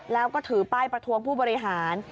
แล้วก็ถือป้ายประท้วงผู้บริหาร